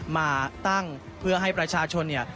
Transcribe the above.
มาตั้งเพื่อให้ประชาชนเนี่ย